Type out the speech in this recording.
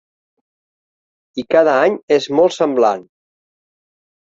I cada any és molt semblant.